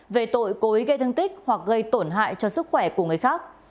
về tội cối gây thương tích hoặc gây tổn hại cho sức khỏe của người khác